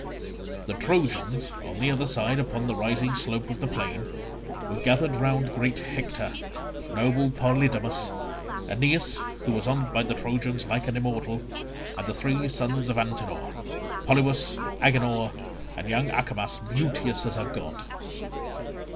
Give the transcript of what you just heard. The Trojans, on the other side upon the rising slope of the plain, were gathered round great Hector, noble Polydamas, Aeneas who was honoured by the Trojans like an immortal, and the three sons of Antenor, Polybus, Agenor, and young Acamas beauteous as a god.